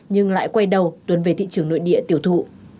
nhưng lại quay đầu tuần về thị trường nội địa tiêu thụ